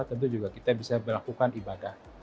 tentu juga kita bisa melakukan ibadah